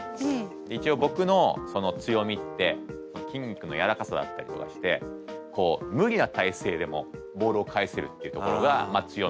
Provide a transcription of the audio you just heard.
一応僕のその強みって筋肉のやわらかさだったりとかしてこう無理な体勢でもボールを返せるっていうところが強みでもあったんですよね。